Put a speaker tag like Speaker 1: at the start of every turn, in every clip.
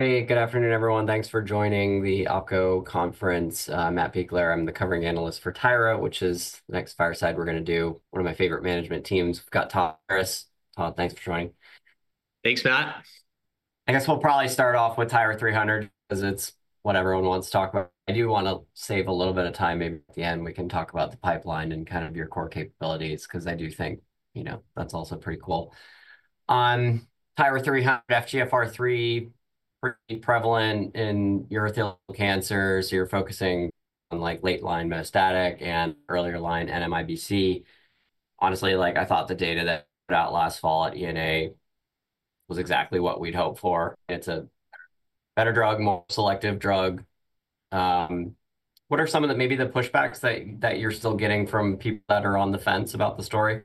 Speaker 1: Hey, good afternoon, everyone. Thanks for joining the OpCo conference. I'm Matt Biegler. I'm the covering analyst for Tyra, which is the next fireside we're going to do. One of my favorite management teams. We've got Todd Harris. Todd, thanks for joining.
Speaker 2: Thanks, Matt.
Speaker 1: I guess we'll probably start off with TYRA-300 because it's what everyone wants to talk about. I do want to save a little bit of time. Maybe at the end, we can talk about the pipeline and kind of your core capabilities because I do think, you know, that's also pretty cool. TYRA-300, FGFR3, pretty prevalent in urothelial cancers. You're focusing on late-line metastatic and earlier-line NMIBC. Honestly, like I thought the data that put out last fall at ENA was exactly what we'd hoped for. It's a better drug, more selective drug. What are some of the maybe the pushbacks that you're still getting from people that are on the fence about the story?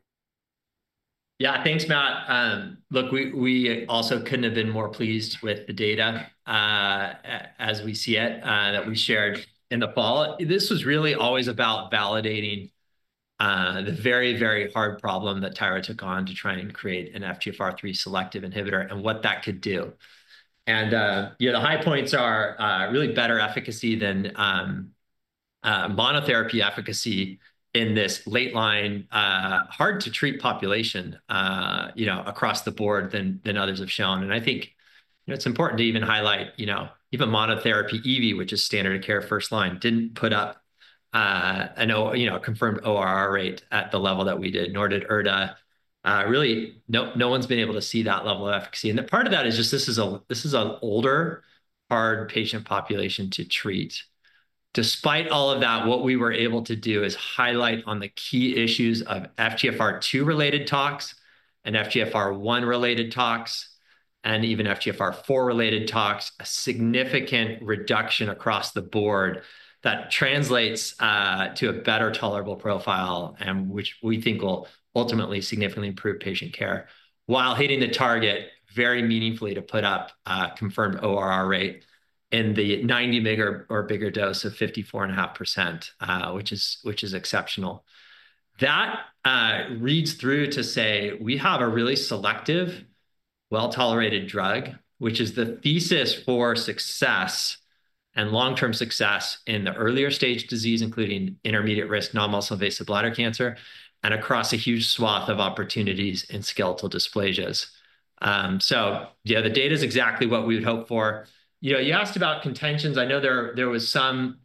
Speaker 2: Yeah, thanks, Matt. Look, we also couldn't have been more pleased with the data as we see it that we shared in the fall. This was really always about validating the very, very hard problem that Tyra took on to try and create an FGFR3 selective inhibitor and what that could do, and the high points are really better efficacy than monotherapy efficacy in this late-line, hard-to-treat population, you know, across the board than others have shown, and I think it's important to even highlight, you know, even monotherapy EV, which is standard of care first-line, didn't put up a confirmed ORR rate at the level that we did, nor did erdafitinib. Really, no one's been able to see that level of efficacy, and part of that is just this is an older, hard patient population to treat. Despite all of that, what we were able to do is highlight on the key issues of FGFR2-related tox and FGFR1-related tox and even FGFR4-related tox, a significant reduction across the board that translates to a better tolerable profile, which we think will ultimately significantly improve patient care while hitting the target very meaningfully to put up confirmed ORR rate in the 90-mg or bigger dose of 54.5%, which is exceptional. That reads through to say we have a really selective, well-tolerated drug, which is the thesis for success and long-term success in the earlier stage disease, including intermediate-risk non-muscle-invasive bladder cancer and across a huge swath of opportunities in skeletal dysplasias. So yeah, the data is exactly what we would hope for. You asked about contentions. I know there was some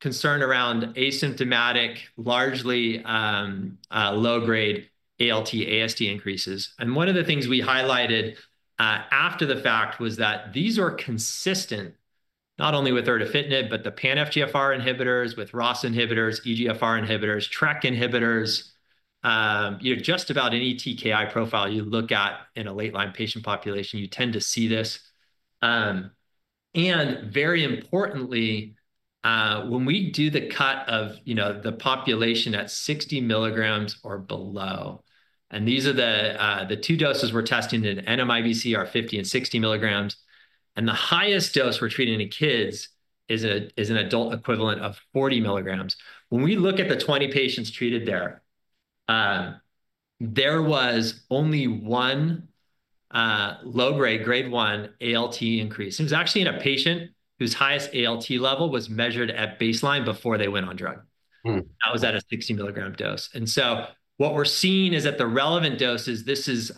Speaker 2: concern around asymptomatic, largely low-grade ALT/AST increases. One of the things we highlighted after the fact was that these are consistent not only with erdafitinib, but the pan-FGFR inhibitors, with ROS inhibitors, EGFR inhibitors, TRK inhibitors. Just about any TKI profile you look at in a late-line patient population, you tend to see this. Very importantly, when we do the cut of the population at 60 mg or below, and these are the two doses we're testing in NMIBC are 50 and 60 mg. The highest dose we're treating in kids is an adult equivalent of 40 mg. When we look at the 20 patients treated there, there was only one low-grade, grade 1 ALT increase. It was actually in a patient whose highest ALT level was measured at baseline before they went on drug. That was at a 60-milligram dose. And so what we're seeing is that the relevant doses. This is,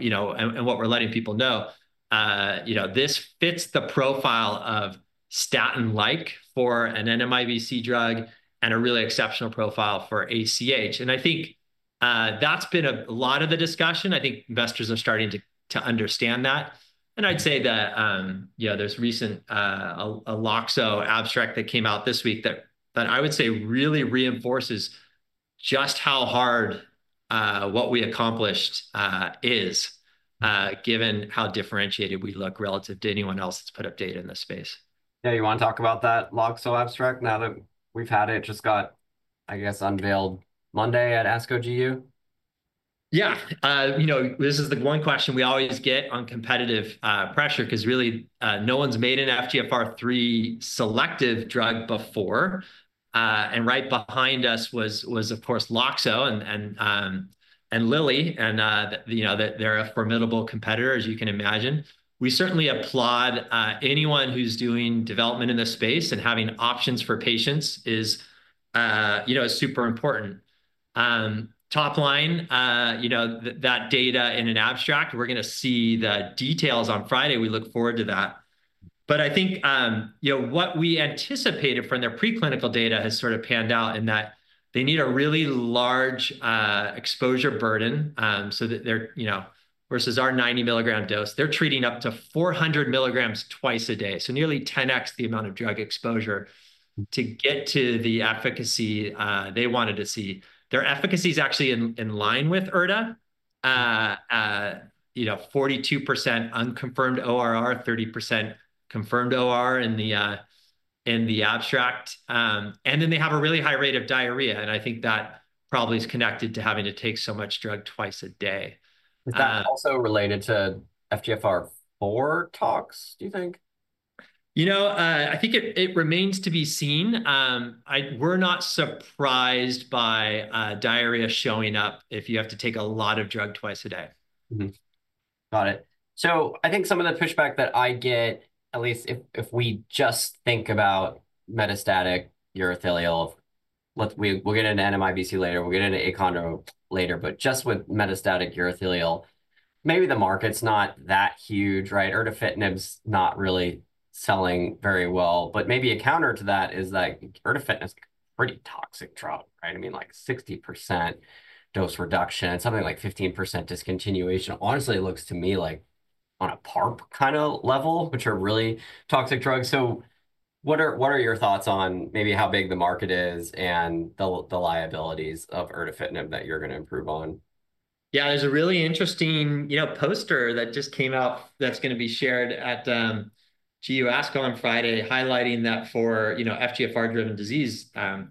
Speaker 2: you know, and what we're letting people know, you know. This fits the profile of statin-like for an NMIBC drug and a really exceptional profile for ACH. And I think that's been a lot of the discussion. I think investors are starting to understand that. And I'd say that, you know, there's a recent Loxo abstract that came out this week that I would say really reinforces just how hard what we accomplished is, given how differentiated we look relative to anyone else that's put up data in this space.
Speaker 1: Yeah, you want to talk about that Loxo abstract now that we've had it? It just got, I guess, unveiled Monday at ASCO GU.
Speaker 2: Yeah. You know, this is the one question we always get on competitive pressure because really no one's made an FGFR3 selective drug before. And right behind us was, of course, LOXO and Lilly. And they're a formidable competitor, as you can imagine. We certainly applaud anyone who's doing development in this space and having options for patients is, you know, super important. Top line, you know, that data in an abstract, we're going to see the details on Friday. We look forward to that. But I think, you know, what we anticipated from their preclinical data has sort of panned out in that they need a really large exposure burden so that they're, you know, versus our 90-milligram dose, they're treating up to 400 mg twice a day. So nearly 10x the amount of drug exposure to get to the efficacy they wanted to see. Their efficacy is actually in line with erdafitinib, you know, 42% unconfirmed ORR, 30% confirmed ORR in the abstract, and then they have a really high rate of diarrhea, and I think that probably is connected to having to take so much drug twice a day.
Speaker 1: Is that also related to FGFR4 talks, do you think?
Speaker 2: You know, I think it remains to be seen. We're not surprised by diarrhea showing up if you have to take a lot of drug twice a day.
Speaker 1: Got it. So I think some of the pushback that I get, at least if we just think about metastatic urothelial, we'll get into NMIBC later. We'll get into achondroplasia later. But just with metastatic urothelial, maybe the market's not that huge, right? Erdafitinib's not really selling very well. But maybe a counter to that is that erdafitinib's a pretty toxic drug, right? I mean, like 60% dose reduction, something like 15% discontinuation. Honestly, it looks to me like on a PARP kind of level, which are really toxic drugs. So what are your thoughts on maybe how big the market is and the liabilities of erdafitinib that you're going to improve on?
Speaker 2: Yeah, there's a really interesting, you know, poster that just came out that's going to be shared at ASCO GU on Friday highlighting that for, you know, FGFR-driven disease. I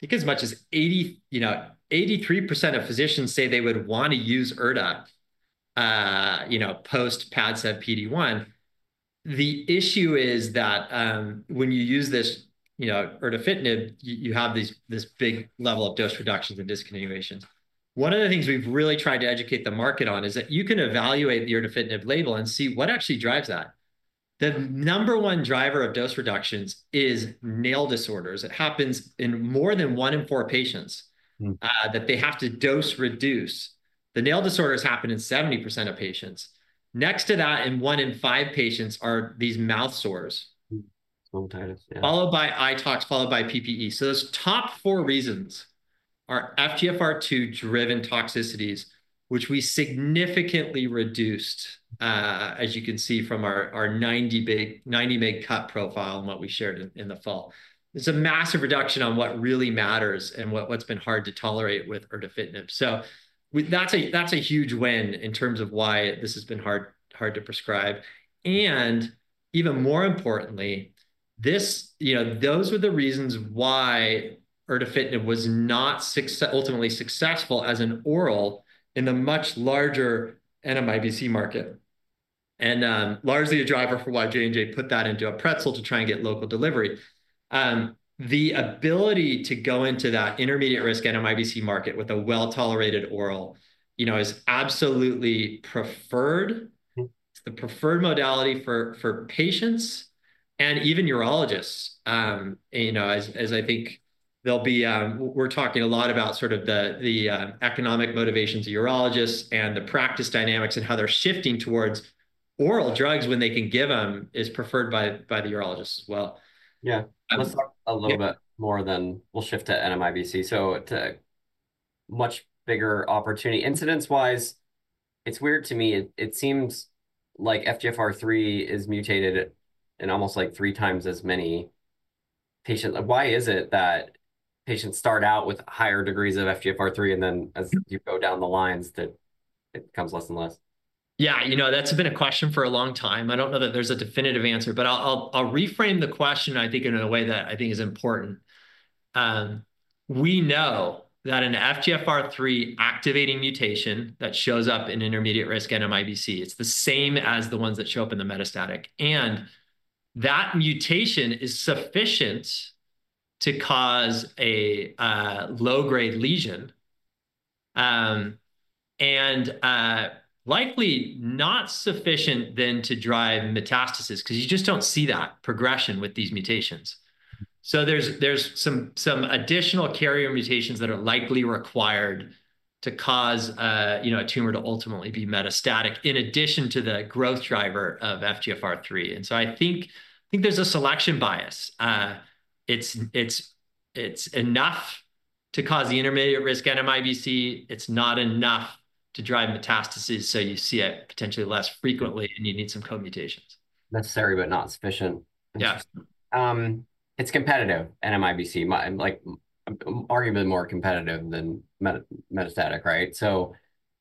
Speaker 2: think as much as 83% of physicians say they would want to use erda, you know, post Padsev PD-1. The issue is that when you use this erdafitinib, you have this big level of dose reductions and discontinuations. One of the things we've really tried to educate the market on is that you can evaluate the erdafitinib label and see what actually drives that. The number one driver of dose reductions is nail disorders. It happens in more than one in four patients that they have to dose reduce. The nail disorders happen in 70% of patients. Next to that, in one in five patients are these mouth sores, followed by eyetox, followed by PPE. Those top four reasons are FGFR2-driven toxicities, which we significantly reduced, as you can see from our 90-mg IC90 profile and what we shared in the fall. It's a massive reduction on what really matters and what's been hard to tolerate with erdafitinib. That's a huge win in terms of why this has been hard to prescribe. Even more importantly, those were the reasons why erdafitinib was not ultimately successful as an oral in the much larger NMIBC market. Largely a driver for why J&J put that into a pretzel to try and get local delivery. The ability to go into that intermediate-risk NMIBC market with a well-tolerated oral, you know, is absolutely preferred. It's the preferred modality for patients and even urologists. You know, as I think we're talking a lot about sort of the economic motivations of urologists and the practice dynamics and how they're shifting towards oral drugs when they can give them, is preferred by the urologists as well.
Speaker 1: Yeah, let's talk a little bit more, then we'll shift to NMIBC. So it's a much bigger opportunity. Incidence-wise, it's weird to me. It seems like FGFR3 is mutated in almost like three times as many patients. Why is it that patients start out with higher degrees of FGFR3 and then as you go down the lines, it becomes less and less?
Speaker 2: Yeah, you know, that's been a question for a long time. I don't know that there's a definitive answer, but I'll reframe the question, I think, in a way that I think is important. We know that an FGFR3 activating mutation that shows up in intermediate-risk NMIBC, it's the same as the ones that show up in the metastatic. And that mutation is sufficient to cause a low-grade lesion and likely not sufficient then to drive metastasis because you just don't see that progression with these mutations. So there's some additional carrier mutations that are likely required to cause, you know, a tumor to ultimately be metastatic in addition to the growth driver of FGFR3. And so I think there's a selection bias. It's enough to cause the intermediate-risk NMIBC. It's not enough to drive metastasis. So you see it potentially less frequently and you need some co-mutations.
Speaker 1: Necessary, but not sufficient.
Speaker 2: Yeah.
Speaker 1: It's competitive, NMIBC, like arguably more competitive than metastatic, right? So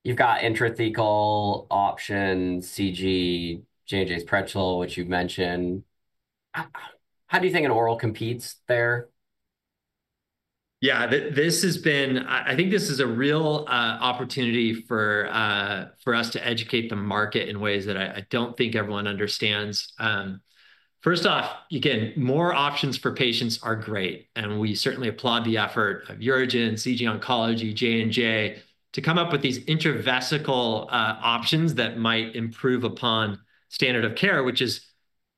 Speaker 1: you've got intravesical option, CG, J&J's Balversa which you've mentioned. How do you think an oral competes there?
Speaker 2: Yeah, this has been, I think this is a real opportunity for us to educate the market in ways that I don't think everyone understands. First off, again, more options for patients are great. And we certainly applaud the effort of UroGen, CG Oncology, J&J to come up with these intravesical options that might improve upon standard of care, which is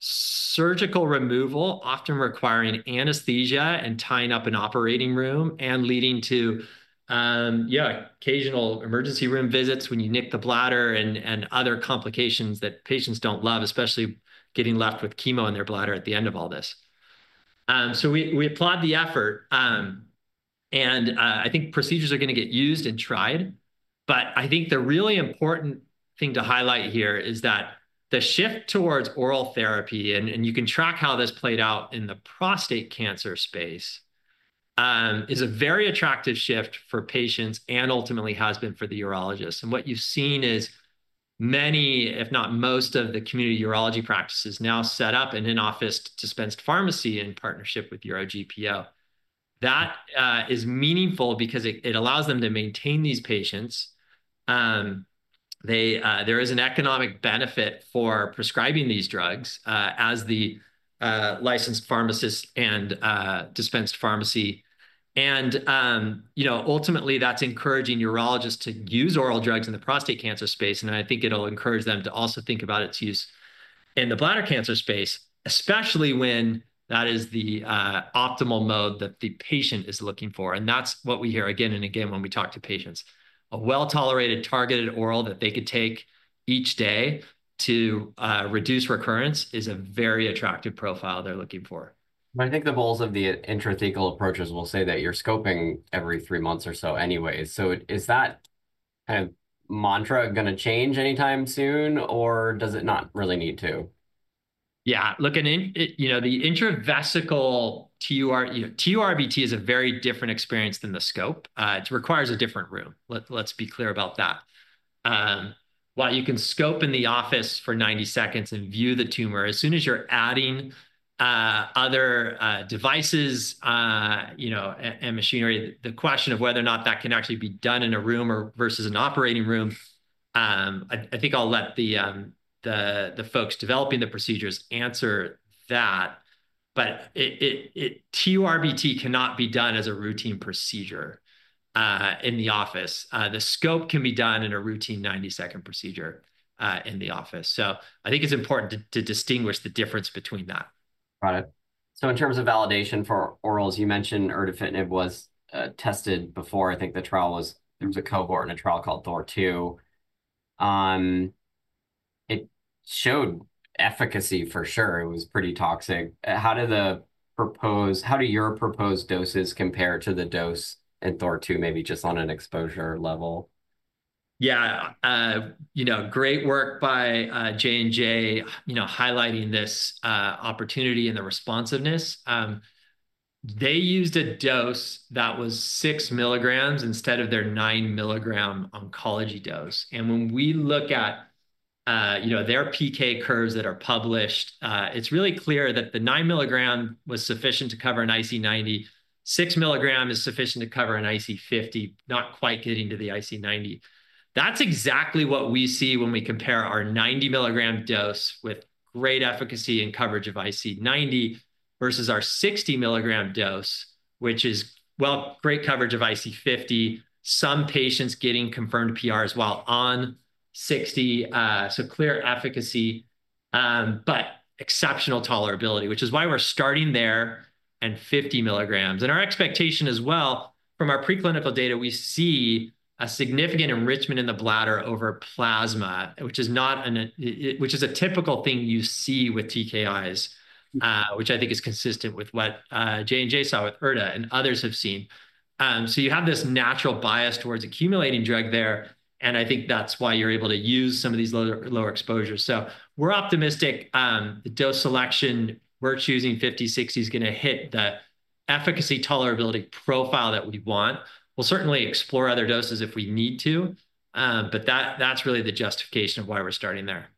Speaker 2: surgical removal often requiring anesthesia and tying up an operating room and leading to, yeah, occasional emergency room visits when you nick the bladder and other complications that patients don't love, especially getting left with chemo in their bladder at the end of all this. So we applaud the effort. And I think procedures are going to get used and tried. But I think the really important thing to highlight here is that the shift towards oral therapy, and you can track how this played out in the prostate cancer space, is a very attractive shift for patients and ultimately has been for the urologists. And what you've seen is many, if not most, of the community urology practices now set up in-office dispensed pharmacy in partnership with UroGPO. That is meaningful because it allows them to maintain these patients. There is an economic benefit for prescribing these drugs as the licensed pharmacist and dispensed pharmacy. And, you know, ultimately, that's encouraging urologists to use oral drugs in the prostate cancer space. And I think it'll encourage them to also think about its use in the bladder cancer space, especially when that is the optimal mode that the patient is looking for. And that's what we hear again and again when we talk to patients. A well-tolerated targeted oral that they could take each day to reduce recurrence is a very attractive profile they're looking for.
Speaker 1: I think the most of the intrathecal approaches will say that you're scoping every three months or so anyways. So is that kind of mantra going to change anytime soon, or does it not really need to?
Speaker 2: Yeah, look, you know, the intravesical TURBT is a very different experience than the scope. It requires a different room. Let's be clear about that. While you can scope in the office for 90 seconds and view the tumor, as soon as you're adding other devices, you know, and machinery, the question of whether or not that can actually be done in a room or versus an operating room, I think I'll let the folks developing the procedures answer that. But TURBT cannot be done as a routine procedure in the office. The scope can be done in a routine 90-second procedure in the office. So I think it's important to distinguish the difference between that.
Speaker 1: Got it. So in terms of validation for orals, you mentioned erdafitinib was tested before. I think the trial was, there was a cohort in a trial called THOR-2. It showed efficacy for sure. It was pretty toxic. How do your proposed doses compare to the dose in THOR-2, maybe just on an exposure level?
Speaker 2: Yeah, you know, great work by J&J, you know, highlighting this opportunity and the responsiveness. They used a dose that was six mg instead of their nine milligram oncology dose. And when we look at, you know, their PK curves that are published, it's really clear that the nine milligram was sufficient to cover an IC90. Six milligram is sufficient to cover an IC50, not quite getting to the IC90. That's exactly what we see when we compare our 90 milligram dose with great efficacy and coverage of IC90 versus our 60 milligram dose, which is, well, great coverage of IC50, some patients getting confirmed PRs while on 60. So clear efficacy, but exceptional tolerability, which is why we're starting there. And 50 mg. Our expectation as well from our preclinical data, we see a significant enrichment in the bladder over plasma, which is a typical thing you see with TKIs, which I think is consistent with what J&J saw with erdafitinib and others have seen. You have this natural bias towards accumulating drug there. I think that's why you're able to use some of these lower exposures. We're optimistic. The dose selection, we're choosing 50/60 is going to hit the efficacy tolerability profile that we want. We'll certainly explore other doses if we need to. That's really the justification of why we're starting there.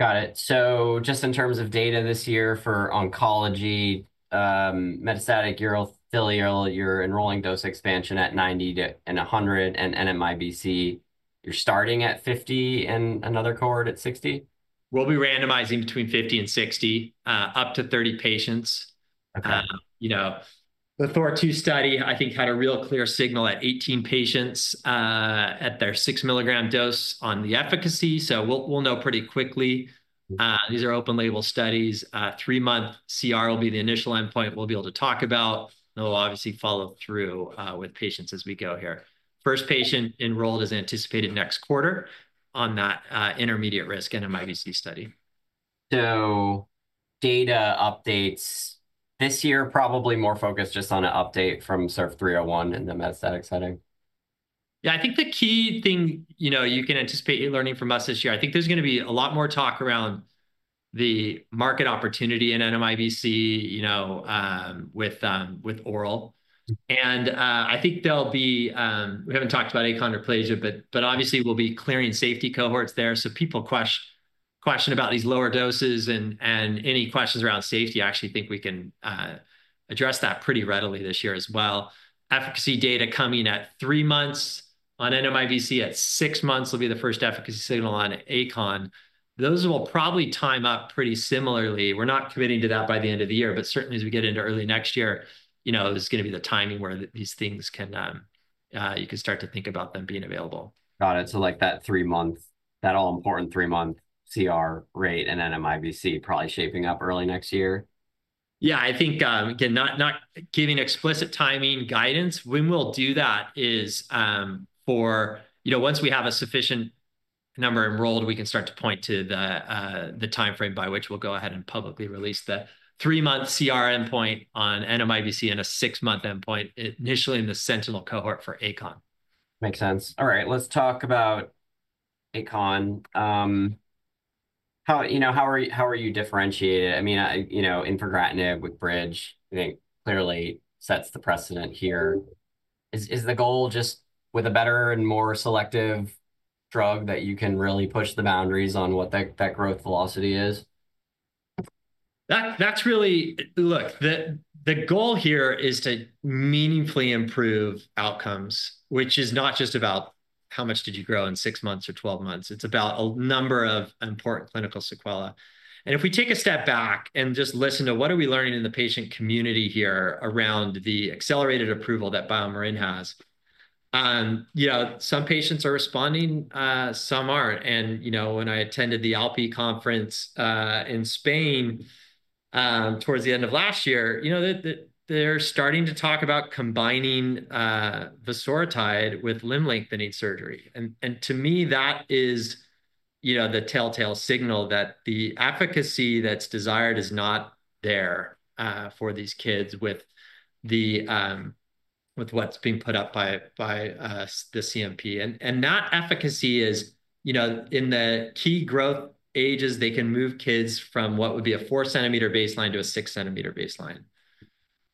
Speaker 1: Got it. So just in terms of data this year for oncology, metastatic urothelial, you're enrolling dose expansion at 90 and 100 and NMIBC. You're starting at 50 and another cohort at 60?
Speaker 2: We'll be randomizing between 50 and 60, up to 30 patients. You know, the THOR-2 study, I think, had a real clear signal at 18 patients at their 6 milligram dose on the efficacy, so we'll know pretty quickly. These are open-label studies. Three-month CR will be the initial endpoint we'll be able to talk about, and we'll obviously follow through with patients as we go here. First patient enrolled is anticipated next quarter on that intermediate-risk NMIBC study.
Speaker 1: So data updates this year, probably more focused just on an update from SURF301 in the metastatic setting?
Speaker 2: Yeah, I think the key thing, you know, you can anticipate you're learning from us this year. I think there's going to be a lot more talk around the market opportunity in NMIBC, you know, with oral. And I think there'll be, we haven't talked about achondroplasia, but obviously we'll be clearing safety cohorts there. So people question about these lower doses and any questions around safety, I actually think we can address that pretty readily this year as well. Efficacy data coming at three months on NMIBC at six months will be the first efficacy signal on achondroplasia. Those will probably time up pretty similarly. We're not committing to that by the end of the year, but certainly as we get into early next year, you know, it's going to be the timing where these things can, you can start to think about them being available.
Speaker 1: Got it. So like that three-month, that all-important three-month CR rate and NMIBC probably shaping up early next year?
Speaker 2: Yeah, I think, again, not giving explicit timing guidance. When we'll do that is for, you know, once we have a sufficient number enrolled, we can start to point to the timeframe by which we'll go ahead and publicly release the three-month CR endpoint on NMIBC and a six-month endpoint initially in the sentinel cohort for achondroplasia.
Speaker 1: Makes sense. All right, let's talk about achondroplasia. You know, how are you differentiated? I mean, you know, infigratinib with Bridge, I think clearly sets the precedent here. Is the goal just with a better and more selective drug that you can really push the boundaries on what that growth velocity is?
Speaker 2: That's really, look, the goal here is to meaningfully improve outcomes, which is not just about how much did you grow in six months or 12 months. It's about a number of important clinical sequelae. And if we take a step back and just listen to what are we learning in the patient community here around the accelerated approval that BioMarin has, you know, some patients are responding, some aren't. And, you know, when I attended the ALPE conference in Spain towards the end of last year, you know, they're starting to talk about combining vosoritide with limb lengthening surgery. And to me, that is, you know, the telltale signal that the efficacy that's desired is not there for these kids with what's being put up by the CNP. That efficacy is, you know, in the key growth ages. They can move kids from what would be a four-centimeter baseline to a six-centimeter baseline.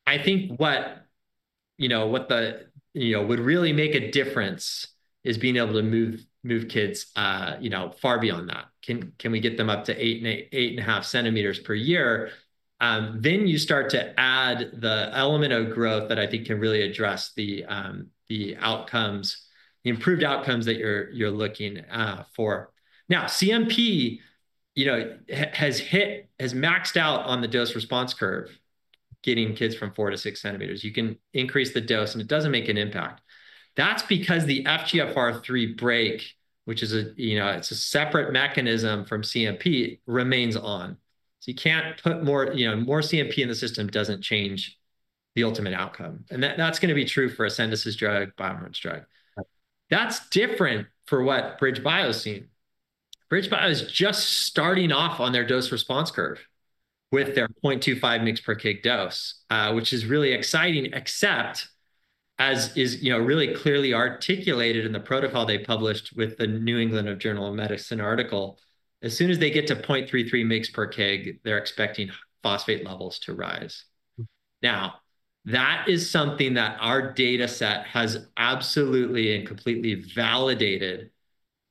Speaker 2: I think what the, you know, would really make a difference is being able to move kids, you know, far beyond that. Can we get them up to eight and a half centimeters per year? Then you start to add the element of growth that I think can really address the outcomes, the improved outcomes that you are looking for. Now, CNP, you know, has hit, has maxed out on the dose-response curve, getting kids from four to six centimeters. You can increase the dose and it does not make an impact. That is because the FGFR3 brake, which is a, you know, it is a separate mechanism from CNP, remains on. You can't put more, you know, more CNP in the system doesn't change the ultimate outcome. And that's going to be true for a synthesis drug, BioMarin's drug. That's different for what BridgeBio's seen. BridgeBio's is just starting off on their dose response curve with their 0.25 mg/kg dose, which is really exciting, except as is, you know, really clearly articulated in the protocol they published with the New England Journal of Medicine article, as soon as they get to 0.33 mg/kg, they're expecting phosphate levels to rise. Now, that is something that our data set has absolutely and completely validated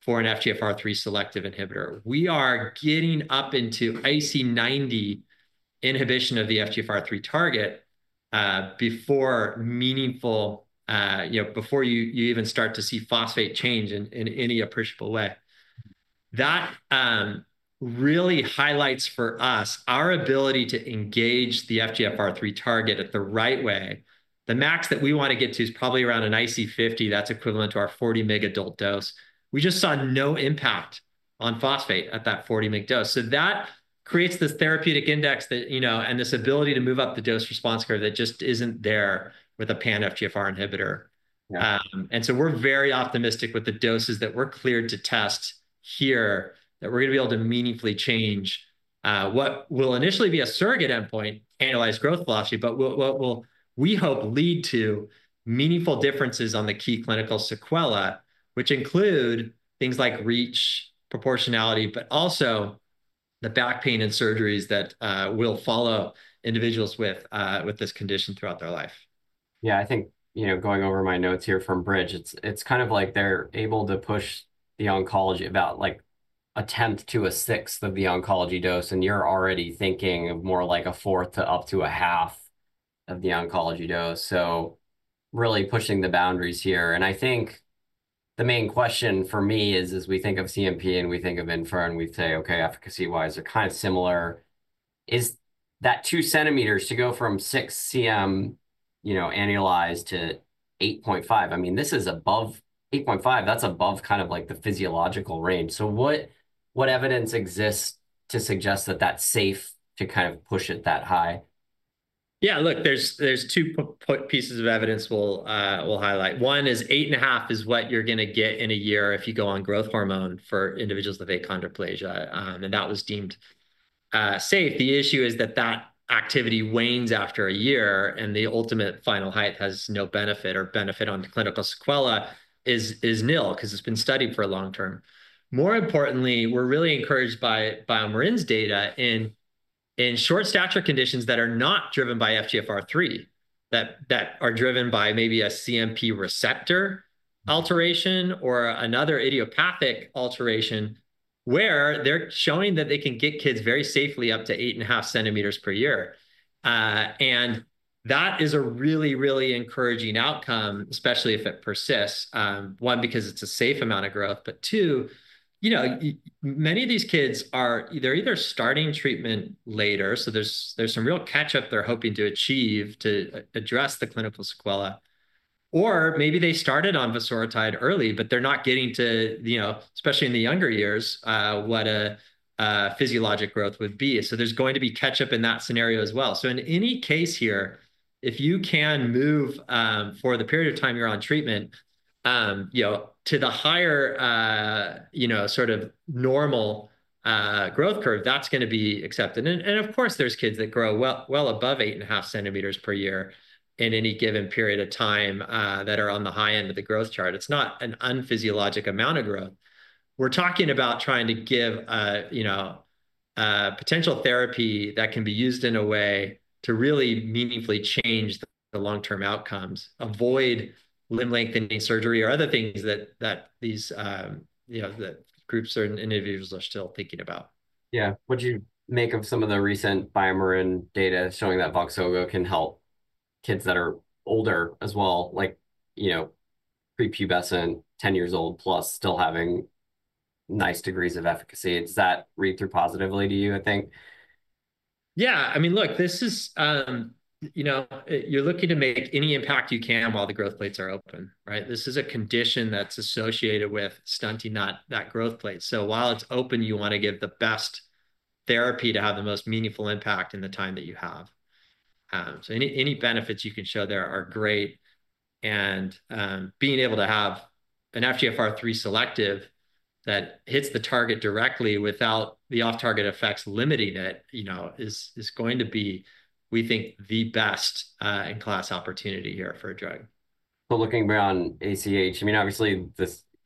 Speaker 2: for an FGFR3 selective inhibitor. We are getting up into IC90 inhibition of the FGFR3 target before meaningful, you know, before you even start to see phosphate change in any appreciable way. That really highlights for us our ability to engage the FGFR3 target at the right way. The max that we want to get to is probably around an IC50. That's equivalent to our 40 mg adult dose. We just saw no impact on phosphate at that 40 mg dose. So that creates the therapeutic index that, you know, and this ability to move up the dose response curve that just isn't there with a pan FGFR inhibitor. And so we're very optimistic with the doses that we're cleared to test here that we're going to be able to meaningfully change what will initially be a surrogate endpoint, analyze growth velocity, but we hope lead to meaningful differences on the key clinical sequela, which include things like reach, proportionality, but also the back pain and surgeries that will follow individuals with this condition throughout their life.
Speaker 1: Yeah, I think, you know, going over my notes here from Bridge, it's kind of like they're able to push the oncology about like a tenth to a sixth of the oncology dose. And you're already thinking of more like a fourth to up to a half of the oncology dose. So really pushing the boundaries here. And I think the main question for me is, as we think of CNP and we think of infigratinib and we say, okay, efficacy-wise, they're kind of similar. Is that two centimeters to go from six cm, you know, annualized to 8.5? I mean, this is above 8.5. That's above kind of like the physiological range. So what evidence exists to suggest that that's safe to kind of push it that high?
Speaker 2: Yeah, look, there's two pieces of evidence we'll highlight. One is 8.5 is what you're going to get in a year if you go on growth hormone for individuals with achondroplasia, and that was deemed safe. The issue is that that activity wanes after a year and the ultimate final height has no benefit or benefit on the clinical sequelae is nil because it's been studied for a long term. More importantly, we're really encouraged by BioMarin's data in short stature conditions that are not driven by FGFR3, that are driven by maybe a CNP receptor alteration or another idiopathic alteration where they're showing that they can get kids very safely up to 8.5 centimeters per year, and that is a really, really encouraging outcome, especially if it persists. One, because it's a safe amount of growth, but two, you know, many of these kids are either starting treatment later. So there's some real catch-up they're hoping to achieve to address the clinical sequela. Or maybe they started on vosoritide early, but they're not getting to, you know, especially in the younger years, what a physiologic growth would be. So there's going to be catch-up in that scenario as well. So in any case here, if you can move for the period of time you're on treatment, you know, to the higher, you know, sort of normal growth curve, that's going to be accepted. And of course, there's kids that grow well above 8.5 centimeters per year in any given period of time that are on the high end of the growth chart. It's not an unphysiologic amount of growth. We're talking about trying to give, you know, potential therapy that can be used in a way to really meaningfully change the long-term outcomes, avoid limb lengthening surgery or other things that these, you know, groups or individuals are still thinking about.
Speaker 1: Yeah. What'd you make of some of the recent BioMarin data showing that Voxzogo can help kids that are older as well, like, you know, prepubescent, 10 years old plus still having nice degrees of efficacy? Does that read through positively to you, I think?
Speaker 2: Yeah. I mean, look, this is, you know, you're looking to make any impact you can while the growth plates are open, right? This is a condition that's associated with stunting that growth plate. So while it's open, you want to give the best therapy to have the most meaningful impact in the time that you have. So any benefits you can show there are great. And being able to have an FGFR3 selective that hits the target directly without the off-target effects limiting it, you know, is going to be, we think, the best in class opportunity here for a drug.
Speaker 1: But looking beyond ACH, I mean, obviously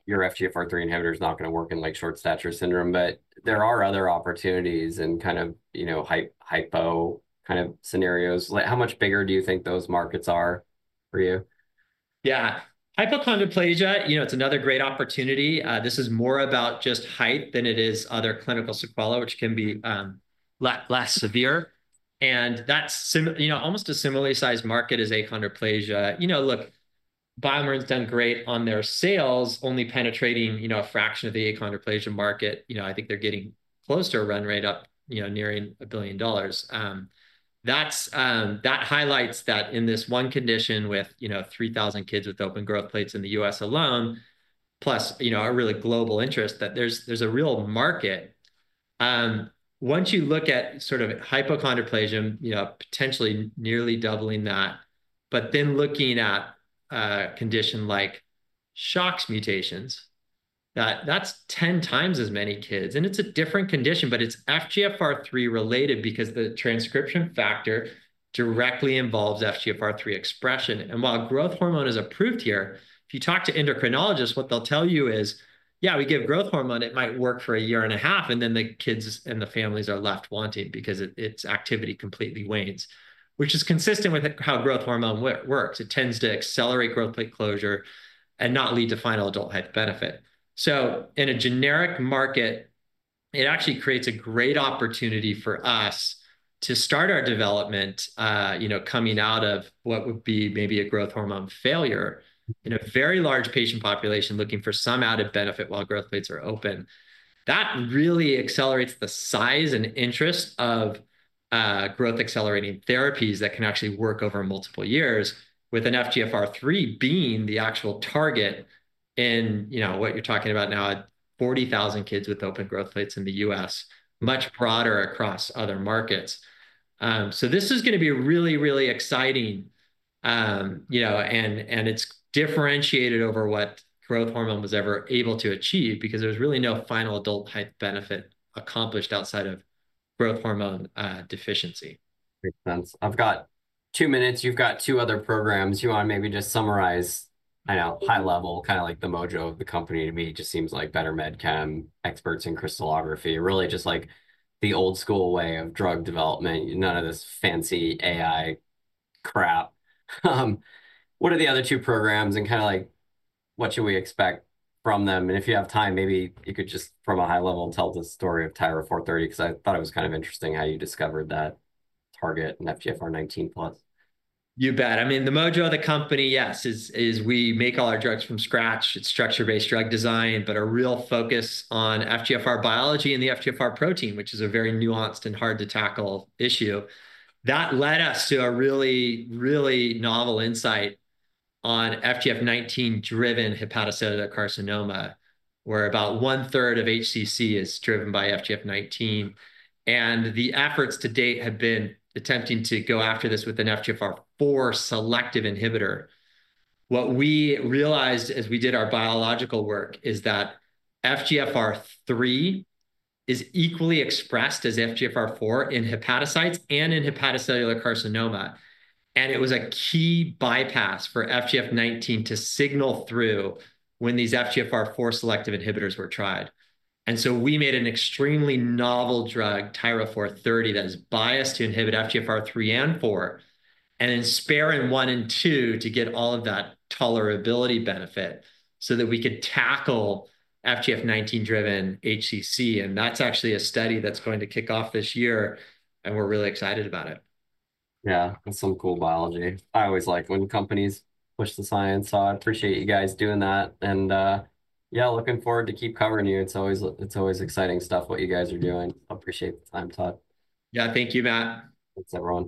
Speaker 1: your FGFR3 inhibitor is not going to work in like short stature syndrome, but there are other opportunities and kind of, you know, hypochondroplasia kind of scenarios. How much bigger do you think those markets are for you?
Speaker 2: Yeah. Hypochondroplasia, you know, it's another great opportunity. This is more about just height than it is other clinical sequela, which can be less severe. And that's, you know, almost a similarly sized market as achondroplasia. You know, look, BioMarin's done great on their sales, only penetrating, you know, a fraction of the achondroplasia market. You know, I think they're getting close to a run rate up, you know, nearing $1 billion. That highlights that in this one condition with, you know, 3,000 kids with open growth plates in the U.S. alone, plus, you know, a really global interest that there's a real market. Once you look at sort of hypochondroplasia, you know, potentially nearly doubling that, but then looking at a condition like SHOX mutations, that's 10 times as many kids. And it's a different condition, but it's FGFR3 related because the transcription factor directly involves FGFR3 expression. And while growth hormone is approved here, if you talk to endocrinologists, what they'll tell you is, yeah, we give growth hormone, it might work for a year and a half, and then the kids and the families are left wanting because its activity completely wanes, which is consistent with how growth hormone works. It tends to accelerate growth plate closure and not lead to final adult height benefit. So in a generic market, it actually creates a great opportunity for us to start our development, you know, coming out of what would be maybe a growth hormone failure in a very large patient population looking for some added benefit while growth plates are open. That really accelerates the size and interest of growth accelerating therapies that can actually work over multiple years with an FGFR3 being the actual target in, you know, what you're talking about now at 40,000 kids with open growth plates in the U.S., much broader across other markets. So this is going to be really, really exciting, you know, and it's differentiated over what growth hormone was ever able to achieve because there's really no final adult height benefit accomplished outside of growth hormone deficiency.
Speaker 1: Makes sense. I've got two minutes. You've got two other programs. You want to maybe just summarize, I know, high level, kind of like the mojo of the company to me. It just seems like BetterMedChem, experts in crystallography, really just like the old school way of drug development, none of this fancy AI crap. What are the other two programs and kind of like what should we expect from them? And if you have time, maybe you could just from a high level tell the story of TYRA-430 because I thought it was kind of interesting how you discovered that target and FGF19+.
Speaker 2: You bet. I mean, the mojo of the company, yes, is we make all our drugs from scratch. It's structure-based drug design, but a real focus on FGFR biology and the FGFR protein, which is a very nuanced and hard to tackle issue. That led us to a really, really novel insight on FGF19-driven hepatocellular carcinoma, where about one third of HCC is driven by FGF19. And the efforts to date have been attempting to go after this with an FGFR4 selective inhibitor. What we realized as we did our biological work is that FGFR3 is equally expressed as FGFR4 in hepatocytes and in hepatocellular carcinoma. And it was a key bypass for FGF19 to signal through when these FGFR4 selective inhibitors were tried. We made an extremely novel drug, TYRA-430, that is biased to inhibit FGFR3 and 4 and then spare FGFR1 and 2 to get all of that tolerability benefit so that we could tackle FGF19-driven HCC. That's actually a study that's going to kick off this year. We're really excited about it.
Speaker 1: Yeah, that's some cool biology. I always like when companies push the science. So I appreciate you guys doing that. And yeah, looking forward to keep covering you. It's always exciting stuff what you guys are doing. I appreciate the time, Todd.
Speaker 2: Yeah, thank you, Matt.
Speaker 1: Thanks everyone.